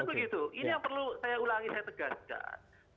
kan begitu ini yang perlu saya ulangi saya tegarkan